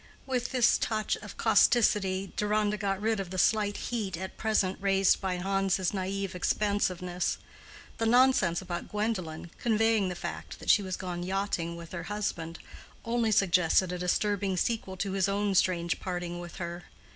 With this touch of causticity Deronda got rid of the slight heat at present raised by Hans's naive expansiveness. The nonsense about Gwendolen, conveying the fact that she was gone yachting with her husband, only suggested a disturbing sequel to his own strange parting with her.